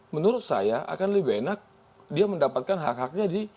menurut saya akan lebih enak dia mendapatkan hak haknya di